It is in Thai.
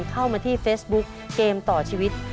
เข้ามาที่เฟซบุ๊กเกมต่อชีวิต